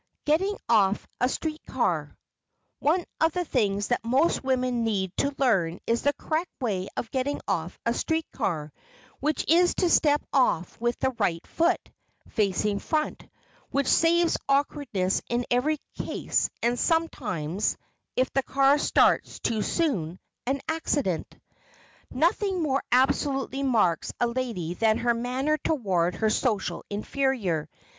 [Sidenote: GETTING OFF A STREET CAR] One of the things that most women need to learn is the correct way of getting off a street car, which is to step off with the right foot, facing front, which saves awkwardness in every case and sometimes, if the car starts too soon, an accident. Nothing more absolutely marks a lady than her manner toward her social inferior.